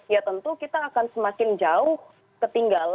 ya tentu kita akan semakin jauh ketinggalan dalam hal pencucian uang gitu